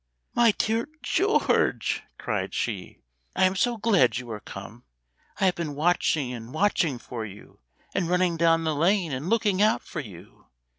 "My dear George," cried she, "I am so glad you are come; I have been watching and watching for you; and running down the lane, and looking out for you.